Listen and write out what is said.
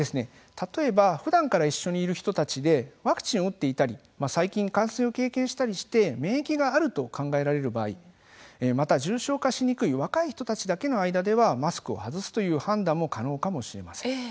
例えば、ふだんから一緒にいる人たちでワクチンを打っていたり最近、感染を経験したりして免疫があると考えられる場合また、重症化しにくい若い人たちだけの間ではマスクを外すという判断も可能かもしれません。